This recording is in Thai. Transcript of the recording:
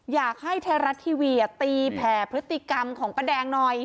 อยากให้ไทยรัฐทีวีตีแผ่พฤติกรรมของป้าแดงหน่อย